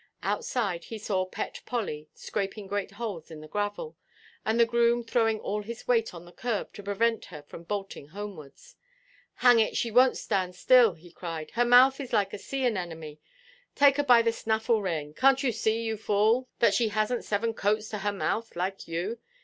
Outside he saw pet Polly scraping great holes in the gravel, and the groom throwing all his weight on the curb to prevent her from bolting homewards. "Hang it, she wonʼt stand that," he cried; "her mouth is like a sea–anemone. Take her by the snaffle–rein. Canʼt you see, you fool, that she hasnʼt seven coats to her mouth, like you?